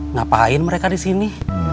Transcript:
ngapain mereka di sini